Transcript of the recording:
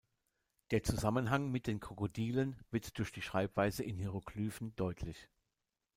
Der Zusammenhang mit den Krokodilen wird durch die Schreibweise in Hieroglyphen deutlich.